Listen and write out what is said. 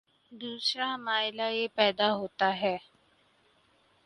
دوسرا مألہ یہ پیدا ہوتا ہے